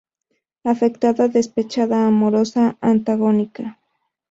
Afectada, despechada, amorosa, antagónica.